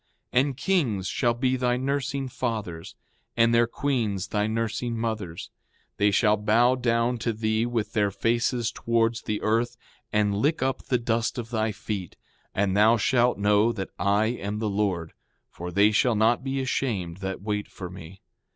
6:7 And kings shall be thy nursing fathers, and their queens thy nursing mothers; they shall bow down to thee with their faces towards the earth, and lick up the dust of thy feet; and thou shalt know that I am the Lord; for they shall not be ashamed that wait for me.